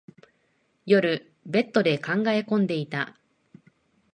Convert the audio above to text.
夜、ベッドで考え込んでいた。